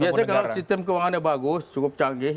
biasanya kalau sistem keuangannya bagus cukup canggih